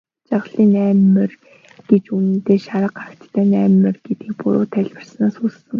Жаргалын найман морь гэж үнэндээ шарга агттай найман морь гэдгийг буруу тайлбарласнаас үүссэн.